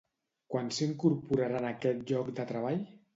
Quan s'incorporarà en aquest lloc de treball?